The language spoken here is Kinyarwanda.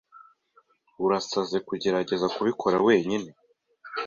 Urasaze kugerageza kubikora wenyine.